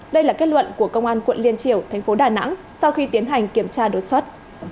đây là kết luận của công an quận liên triều thành phố đà nẵng sau khi tiến hành kiểm tra đột xuất